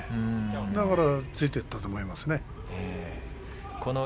だから突いていったと思います。